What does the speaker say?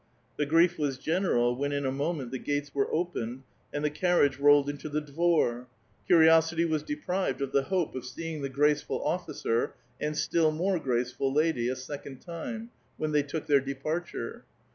The grief was general, when in a moment the gates were opened, and the carriage rolled into the dvor; curiosity was deprived of the hope of seeing the graceful ollicer, and still more graceful lady, a second time, when tliey took their depaiture.